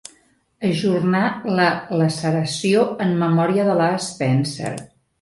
Ajornar la laceració en memòria de la Spencer.